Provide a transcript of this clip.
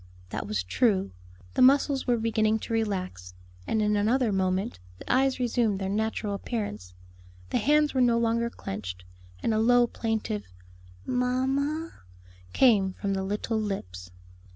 That was true; the muscles were beginning to relax, and in another moment the eyes resumed their natural appearance, the hands were no longer clenched, and a low plaintive, "Mamma," came from the little lips.